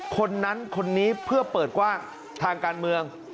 คนนั้นคนนี้เพื่อเปิดกว้างทางการเมือง